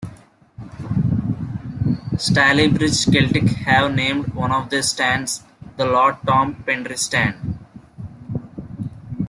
Stalybridge Celtic have named one of their stands "The Lord Tom Pendry Stand".